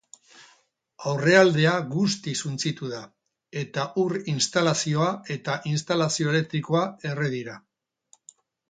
Aurrealdea guztiz suntsitu da, eta ur-instalazioa eta instalazio elektrikoa erre dira.